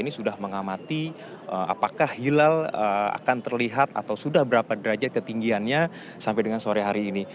ini sudah mengamati apakah hilal akan terlihat atau sudah berapa derajat ketinggiannya sampai dengan sore hari ini